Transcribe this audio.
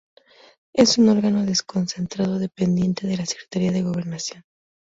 Es un órgano desconcentrado dependiente de la Secretaría de Gobernación.